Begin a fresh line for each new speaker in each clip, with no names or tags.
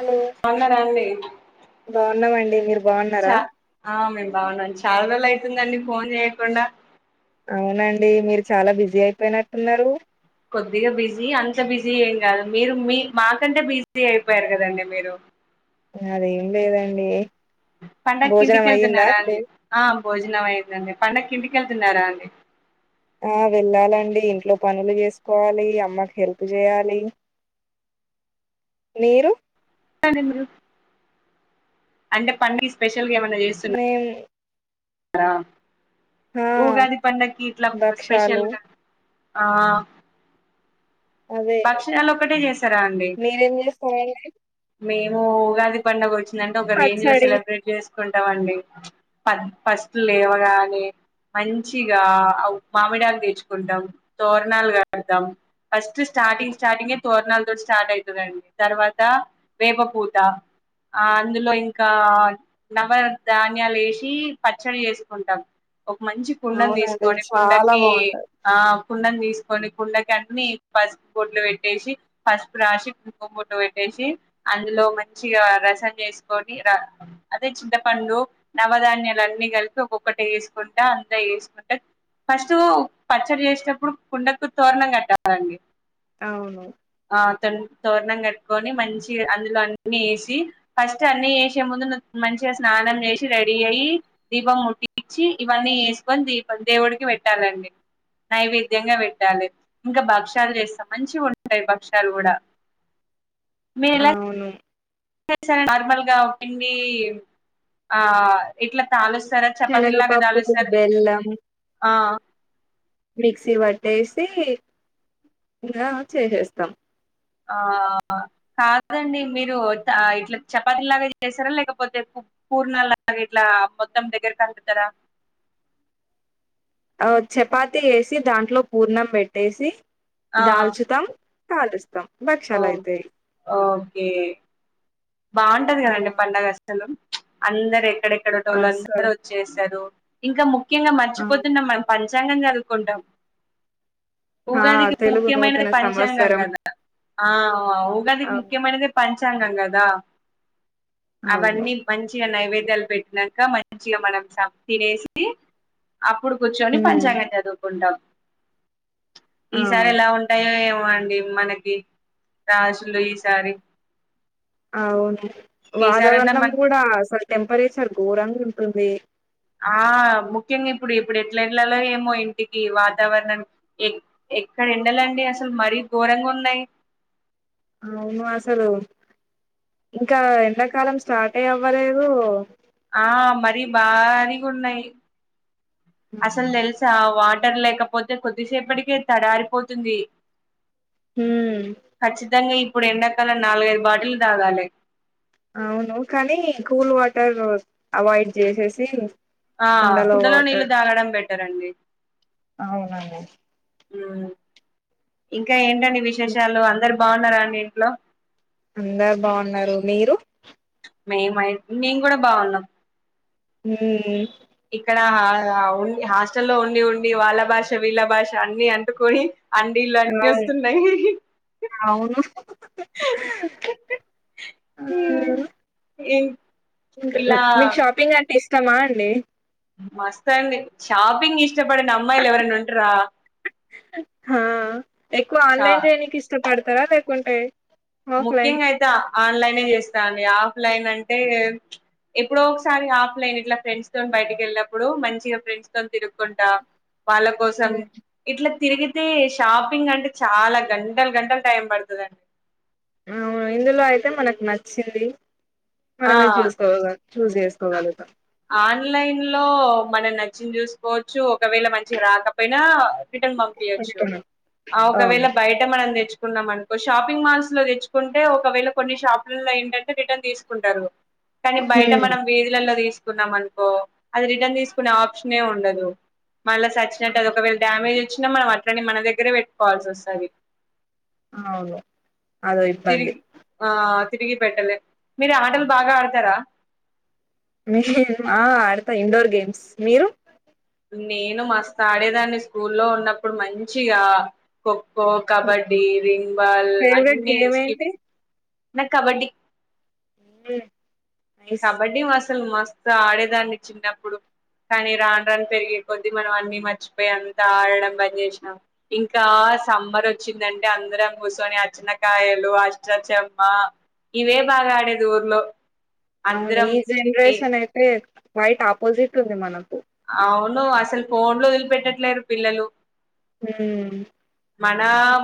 Hello
బాగున్నార అండి
బాగున్నామండి మీరు బాగున్నారా
చ ఆమె బాగున్నాన్ చాలా రోజులు ఐతుందండి ఫోన్ చేయకుండా
అవునండి మీరు చాలా బిజీ అయిపోయినట్టున్నారు
కొద్దిగా బిజీ అంత బిజీ ఏం కాదు మీరు మీ మాకంటే బిజీ అయిపోయారు కదండి మీరు
అదేం లేదండి
పండకి
భోజనం అయ్యిందా
ఇంటికెళ్తున్నారా
అయితే
అండీ ఆమ్ భోజనం అయిందండి పండకి ఇంటికెళ్తున్నారా అండి
ఆ వెళ్ళాలండి ఇంట్లో పనులు చేసుకోవాలి అమ్మకి హెల్ప్ చేయాలి మీరు
అ మ [unintelligible] అంటే పండకి స్పెషల్ ల్గా ఏమన్నా చేస్తున్నా
మేం
ఆ
ఆ
ఉగాది పండకి ఇట్లా
భక్షాలు
స్పెషల్గా ఆ
అదే
భక్షణాలు ఒకటే చేసారా అండి
మీరేం చేస్తారండి
మేం ఊ ఉగాది పండగ ఒచ్ టె ఒక రేంజ్ ల
పచ్చడి
సెబ్రేట్ చేస్ కుంటమండి పద్ ఫస్ట్ లేవగానే మంచిగా మామిడాకు తెచ్చుకుంటాం తోరణాలు కడతాం ఫస్ట్ ట్ స్టార్టింగ్ స్టార్టింగె తోర్ణాలతోటి స్టార్ట్ ఐతదండి తర్వాత వేప పూత ఆ అందులో ఇంకా నవ ధాన్యాలు ఏసి పచ్చడి జేసుకుంటం ఒక మంచి కుండను
అవునండి
తీసుకొని
చాలా
కుండకి
బాగుంటది
ఆ కుండన్ తీస్ తీసుకొని కుండకి అన్నీ పసుపు బొడ్లు పెట్టేసి పసుపు రాసి కుంకుం బొట్టు పెట్టేసి అందులో మంచిగా రసం చేసుకొని ర అదే చింతపండు నవధాన్యాలు అన్ని కలిపి ఒక్కొక్కటి వేసుకుంట అంతా ఏసుకుంట ఫస్టు పచ్చడి చేసేటప్పుడు కుండకు తోరణం కట్ట లండి
అవును
తన్ తోరణం కట్టుకొని మంచి అందులో అన్ని వేసి ఫస్ట్ అన్ని వేసే ముందు ను మంచిగా స్నానం చేసి రెడీ అయ్యి దీపం ముట్టించి ఇవన్నీ వేసుకొని దీపం దేవుడికి వెట్టాలండి నైవేద్యంగా వెట్టాలి ఇంకా భక్ష్యాలు చేస్తాం మంచి ఉంటయ్ భక్షలు కూడా
అవును
నార్మల్గా పిండి ఆ ఇట్ల తాలోచ
శనక పప్పుకు బెల్లం
ఆ
మిక్సీ పట్టేసి ఇకా చేసేస్తాం
ఆ కాదండి మీరు తా ఇట్లా చపాతీ లాగా చేస్తారా లేకపోతే పు పూర్నా లాగా ఇట్లా మొత్తం దగ్గరకంటుతరా
అ చపాతి వేసి దాంట్లో పూర్ణం పెట్టేసి
ఆ
దాల్చుతం కాలుస్ తం బచ్చలయుతై
ఏ బాగుంటది కదండి పండగస్సలు అందరెట్ క్కడెక్కడటోల్లో వాళ్ళు
అసలు
అందరు వచ్చేస్తరు. ఇంకా ముక్ ఖ్యంగా
ఆ
మర్చిపోతున్నం, మన పర్ జంగ చదువుకుంటాం
ఆ
ఉగాదికి
తెలుగు
ముఖ్యమైనది
నూతన
పంచాంగం
సంవత్సరం
కదా ఆ ఆ ఉగాదికి
అవు
ముఖ్యమైనదే పంచా చ్చాంగం కదా
అవును
అవన్నీ మంచిగా నైవే పిల్లలు పెట్టినంక, మంచిగా మనం సం తినేసి అప్పుడు కూర్చొని
ఉమ్
పంచాంగం చదువుకుంటాం. ఈ సారి
అవును
ఎలా ఉంటాయో ఏమో? పాండి మనకి రాశులు ఈసారి.
అవును,
ఈసారన్నా
వాతావరణం
మన
కూడా స టెంపరేచర్ ఘోరంగుంటుంది.
ఆ ముఖ్యంగా ఇప్పుడు ఇప్పుడు ఎట్ల ఏళ్లలో ఏమో ఇంటికి వాతావరణం ఎ ఎక్కడ ఎండాలండి అసలు మరీ ఘోరంగా ఉన్నాయి.
అవును అసలు ఇంకా ఎంతకాలం స్టార్ట్ ఏ అవ్వలేదు
ఆ మరీ బారీగున్నయి. అసల్ తెల్సా వా టర్ లేకపోతే కొద్దిసేపటికే తడారిపోతుంది.
ఉమ్
ఖచ్చితంగ ఇ ఇప్పుడు ఎండాకాలం నాలుగైదు బాటిళ్ళు తాగాలి.
అవును కానీ కూల్ వాటర్ అవాయిడ్ చేసేసి
ఆ కుండలో నీళ్ళు తాగడం బెటర్ అండి
అవునండి
హ్మ్మ్ ఇంకా ఏ విశేషాలు అందరు బాగున్నారా అండి ఇంట్లో
అందరు బాగున్నరు, మీరు?
మేమై, మేం కూడ బాగున్నాం.
ఉమ్
ఇక్కడ ఆ ఆ ఉండి హాస్టల్ల్లో ఉండి ఉండి వాళ్ళ భాష వీళ్ళ భాష అన్ని అంటుకొని
అవును
అండీలచ్చేస్తున్నయి,
అవును
ఇం
మీకు ఉ మీకు షాపింగ్ అంటే ఇస్ ష్టమ అండి
మస్తండి షాపింగ్ ఇష్టపడన అమ్మాయిలు ఎవరున్న ఉంట్రా
హా ఎక్కువ
షా
ఆన్లైన్ రేనికి ఇష్టపడ్ తర లేకుంటే ఆఫ్లైన్
ముఖ్యంగ్ అయితే ఆన్లైనే ఏస్తా అండి ఆ ఫ్ లైన్ అంటే చ్ ఎప్పుడో ఒకసారి ఆఫ్లైన్ ఇట్ల ఫ్రెండ్స్ తో బయటకి ఎళ్ళప్పుడు మంచిగా ఫ్రెండ్స్ తో తిరుకుంటా వాళ్ళ కోసం ఇట్లా తిరిగి తే షాపింగ్ అంటే చాలా గంటల్ గంటల్ టైం పడ్తదండి.
నౌను ఇందులో అయితే మనక్ నచ్చింది.
ఆ,
మనమే చూసుకోగ చూస్
అ
చేసుకోగలుగుతాం
ఆన్లైన్ లో మన న చ్చింద్ చూసుకోవచ్చు ఒకవేళ మంచిగా రాకపెయినా రిటన్ పంపింయొచ్చు,
ఉంటున్నాం.
ఆ ఒకవేళ
అవును
బయట మనం తెచ్చ్ కున్నం అనుకో షాపింగ్ మాల్స్ లో తెచ్చుకుంటే ఒకవేళ కొన్ని షాపుల్లొ ఏంటంటే రిటర్న్ తీస్ కుంటారు కానీ బయట
మ్మ్
మనం విధులలో తీస్ కున్నం అన్కో అది రిటర్న్ తీసుకునే ఆప్షనే ఉండదు. మళ్ళ సచ్చినట్టు అది ఒకవేళ డామె చ్చిన మనం అట్లనె మన దగ్గరే వెట్కో వల్సి ఒస్సది.
అవును అదో
తిరిఇ
ఇబ్బంది
ఆ తిరిగి పెట్టలేం మీరు ఆటలు బాగా ఆడ్తరా
మే మా ఆడత ఇండోర్ గేమ్స్ మీరు
నేను మస్త్ ఆడేదాన్ని స్కూల్లో ఉన్నప్పుడు మంచిగా ఖోఖో, కబడ్డీ, రి గ్ బాల్
ఫేవరెట్
అన్ని
గేమ్
స్కి
ఏంటి
నాక్ కబడ్డీ.
బి ఇస్
అసల్ మస్తు ఆడేదాన్ని చిన్నప్పుడు, కానీ రాన్ రాన్ పెరిగే కొద్దీ మనం అన్ని మర్చిపెయ్ అంతా ఆడడం బన్ చేస్నాం, ఇంకా సమ్మర్ వచ్చిందంటే అందరం కూస్సొని అచ్చన కాయలు, అష్ట చం మా ఇవే బాగా ఆడేది ఊర్లో
అవును
అందరం
ఈ జెనరేషన్ అయితే క్వైట్ ఆపోజిట్ ఉంది మనకు
అవును అసలు ఫోన్లు వదిలి పెట్టట్లేరు పిల్లలు
హు
మన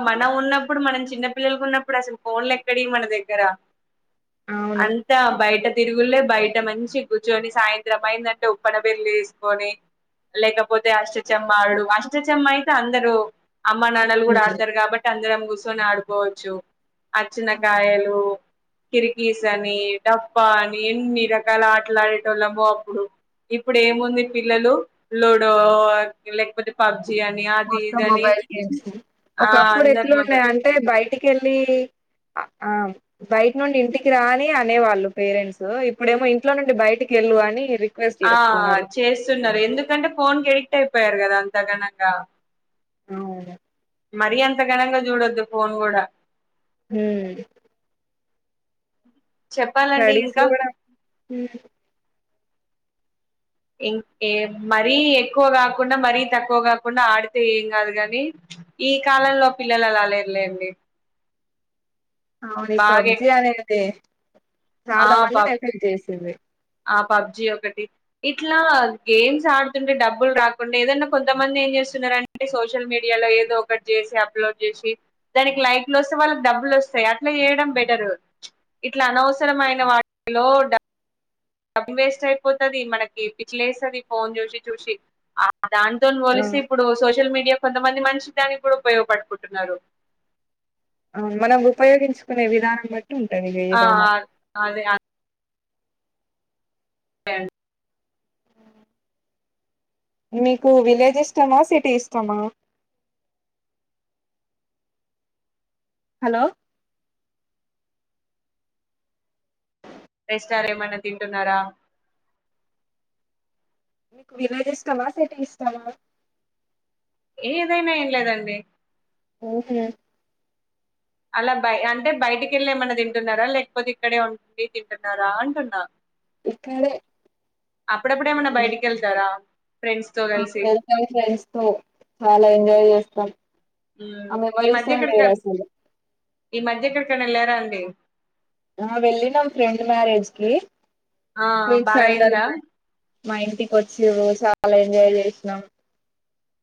మనం ఉన్నప్పుడు మనం చిన్న పిల్లలుగున్నప్పుడు అసలు ఫోన్లు ఎక్కడివి మన దగ్గర
అవును
అంతా బయట తిరుగులే బయట మంచి కూర్చొని సాయంత్రం అయిందంటే ఉప్పన పెళ్ల్లి ని లేకపోతే అష్టచమ్మా ఆడుడు అష్టచమ్మ అయితే అందరూ అమ్మ నాన్నలు కూడా
హ్మ్.
ఆడతారు కాబట్టి అందరు కూర్చొని ఆడుకోవచ్చు అచ్చినకాయలు కిరికీస్ అని డప్పా అని ఎన్ని రకాల ఆటలా ఆడేటోళ్ళము అప్పుడు ఇప్పుడు ఏముంది పిల్లలు లుడో లేకపోతే పబ్జీ
మొత్తం మొబైల్ గేమ్స్
ఆ
ఒకప్పుడు ఎట్లు
అందరు
ఉన్నాయి అంటే బయటికి వెళ్ళి ఆ బయట నుండి ఇంటికి రాని అనేవాళ్ళు పేరెంట్స్ ఇప్పుడేమో ఇంట్లో నుండి బయటికి వెళ్ళు అని రిక్వెస్ట్
ఆ
చేస్తున్నారు
చేస్తున్నారు ఎందుకంటే ఫోన్ కి ఎడిక్ట్ అయిపో పోయారు కదా అంతాగనంగా
అవును
మరిీ అంత గనంగా చూడొద్దు ఫోన్ కూడా
హ
చెప్పాలండి
స్టడీస్
ఇంకా
కూడా
ఇంకేం ఏ మరీ ఎక్కువ కాకుండా మరీ తక్కువ కాకుండా ఆడితే ఏం కాదు గాని ఈ కాలంలో పిల్లలు అలా లేర్లేండి
అవును పబ్జీ
ఎక్-
ఆనే అదే
ఆ
చాలా మందినీ
పబ్
అడిక్ట్ చేసింది
ఆ పబ్జి ఒకటి ఇట్లా గేమ్స్ ఆడుతుంటే డబ్బులు రాకుండా ఏదన్నా కొంతమంది ఏం చేస్తున్నారంటే సోషల్ మీడియాలో ఏదో ఒకటి చేసి అప్లోడ్ చేసి దానికి లైక్లు వస్తే వాళ్ళకి డబ్బులు వస్తాయి అట్లా చేయడం బెటర్ ఇట్లా అనవసర అనవసరమైన వాటిలో డబ్బు డబ్బు వేస్ట్ అయిపోతుది మనకి పిచ్చిలేస్తదీ ఫోన్ చూసి చూసి దానింతో
ఆ
పోలిసి ఇప్పుడు సోషల్ మీడియా కొంతమంది మనిషి దానికి కూడా ఉపయోగపడుకుంటున్నారు
మనం ఉపయోగించుకునే విధానం ఉంటది ఇక
ఆ
ఏదైనా
అదే అ [unintelligible]
మీకు విలేజ్ ఇష్టమా సిటీ ఇష్టమా హలో
సార్ ఏమన్నా తింటున్నారా
మీకు విలేజ్ ఇష్టమా సిటీ ఇష్టమా
ఏదైనా ఏం లేదండి
[inaudible]
అలా బయ అంటే బయటికి వెళ్ళి ఏమన్నా తింటున్నారా లేకపోతే ఇక్కడే ఉంటుడి తింటున్నారా అంటున్నా
ఇక్కడే
అప్పుడప్పుడేమన్నా
మేము
బయటికి వెళ్తారా ఫ్రెండ్స్ తో కలిసి
వెళ్తాం ఫ్రెండ్స్ తో చాలా ఎంజాయ్ చేస్తా
మ్మ్
[inaudible] అమె
ఈ
వరిస
మధ్య ఎక్కడిక
వరాస
ఈ మధ్య ఎక్కడికైన ఎల్లారా అండి
ఆ వెళ్ళినాం ఫ్రెండ్ మ్యారేజ్ కి
ఆ
ఫ్రెండ్స్ అందరు
బాగాయిందా
మా ఇంటికి వచ్చినం చాలా ఎంజాయ్ చేసినం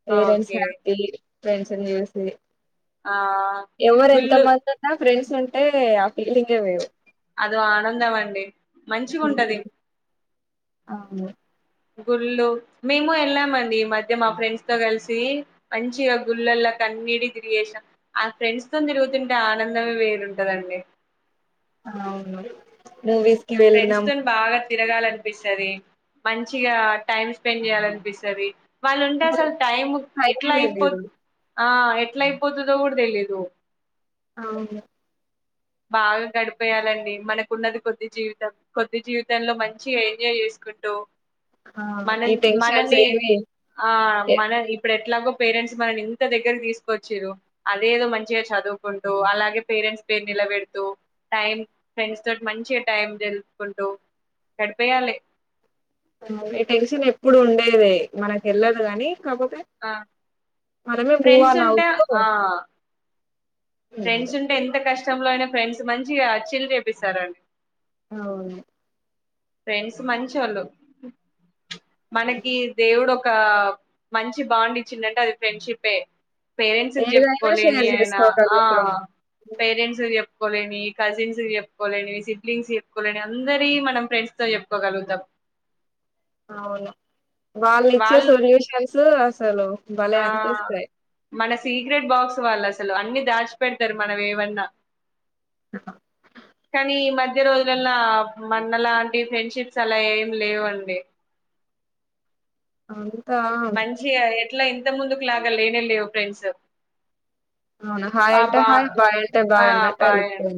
పేరెంట్స్
ఓకే
హ్యాపీ ఫ్రెండ్స్ నీ చేసింది
ఆ
ఎవరు ఎంత
గుళ్ళు
మందునా ఫ్రెండ్స్ ంటే ఆ ఫీలింగే వేరూ
అదో ఆనందం అండి మంచిగుంటది
హ్మ్. అవును
గుళ్ళు మేము కూడా వెళ్ళామండి ఈ మధ్య మా ఫ్రెండ్స్ తో కలిసి మంచిగా గుళ్ళలా కన్నీటికి తిరిగేసాం ఆ ఫ్రెండ్స్ తో తిరుగుతుంటే ఆనందమే వేరుంటదండి
అవును మూవీస్ కి
ఫ్రెండ్స్
వెళ్ళినాం
తోని బాగా తిరగాలనిపిస్తది మంచిగా టైమ్ స్పెండ్ చేయాలనిపిస్తది వాళ్ళు ఉంటే అసలు టైం ఎట్లా
టైమే తెలీదు
అయిపోద్ ఆ ఎట్లా అయిపోతదో కూడా తెలీదు
అవును
బాగా గడిపేయాలండి మనకున్నది కొద్ది జీవితం కొద్ది జీవితంలో మంచిగ ఎంజాయ్ చేసుకుంటూ
ఆ
మనం
ఈ టెన్షన్స్
మనని
ఏవి
ఆ
ఎ
మనం ఇప్పుడ ఎలాగో పేరెంట్స్ మనని ఇంత దగ్గరకి తీసుకొచ్చిరు అదే ఏదో మంచిగా చదువుకుంటూ అలాగే పేరెంట్స్ పే నిలబెడుతూ టైం ఫ్రెండ్స్ తోటి మంచిగా టైం తెలుపుకుంటూ గడిపేయాలే
ఈ టెన్షన్ ఎప్పుడు ఉండేదే మనకి యెళ్ళదు గాని కాపోతే
ఆ
మనమే
ఫ్రెండ్స్ ఉంటే
పోవాలవుతే
ఆ ఫ్రెండ్స్ ఉంటే ఎంత కష్టం లో అయిన ఫ్రెండ్స్ మంచిగా చిల్ చేపిస్తారండి
అవును
ఫ్రెండ్స్ మంచోళ్ళు మనకి దేవుడు ఒక ఒక మంచి బాండ్ ఇచ్చిండంటే అది ఫ్రెండ్షిపే పేరెంట్స్ కి
ఏదైనా
చెప్పుకోలేని
షేర్
అయినా ఆ
చేసుకోగలుగుతాం
పేరెంట్స్ కి చెపు చెప్పుకోలేని, కజిన్స్ కి చెప్పుకోలేని, సిబ్లీంగ్స్ కి చెప్పుకోలేని అందరియీ మనం ఫ్రెండ్స్ తో చెప్పుకోగలుగుతాం.
అవును వాళ్ళు ఇచ్చే సొల్యూషన్స్ అసలు భలే
ఆ
అనిపిస్తాయి
మన సీక్రెట్ బాక్స్ వాళ్ళు అసలు అన్ని దాసి పెడతరు మనవి ఏవన్నా కానీ మ కొది రోజులల్లో మన్న లాంటి ఫ్రెండ్షిప్స్ అలా ఏమి లేవుండి
అవును
మంచిగవే ఎట్లా ఇంత ముందుకు లాగా లేనే లేవు ఫ్రెండ్స్
అవును హాయ్
ఆ
అంటే
బా
హాయ్ బాయ్
ఆ
బాయ్ అన్నట్టు
బాయ్
అపో
అండి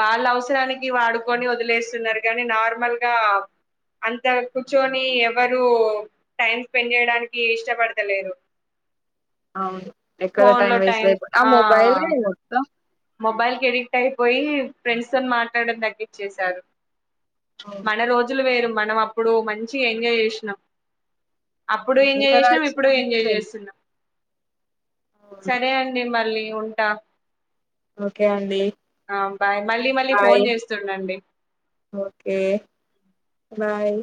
వాళ్ళ అవసరానికి వాడుకొని వదిలేస్తున్నారు కానీ నార్మల్ గా అంత కూర్చొని ఎవరు టైం స్పెండ్ చేయడానికి ఇష్టపడతలేరు
అవును ఎక్కడ టైం వేస్ట్ అయి ఆ మోబైలె మొత్తం
మొబైల్ కి ఎడిక్ట్ అయిపోయి ఫ్రెండ్స్ తో మాట్లాడడం తగ్గించేసారు
అవును.
మన రోజులు వేరు మనం అప్పుడు మంచిగా ఎంజాయ్ చేసినాం అప్పుడు ఎంజాయ్ చేసినాం
ఇంటరాక్షన్
ఇప్పుడు
అనేది
ఎంజాయ్
లేదు
చేస్తున్నాం
అవును.
సరే అండి మళ్ళీ ఉంటా
ఓకే అండి
ఆ బాయ్ మళ్ళీ మళ్ళీ ఫోన్
బాయ్
చేస్తుండండి
ఓకే బాయ్